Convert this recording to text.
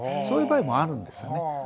そういう場合もあるんですよね。